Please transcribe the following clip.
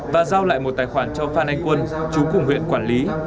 và giao lại một tài khoản cho phan anh quân chú cùng huyện quản lý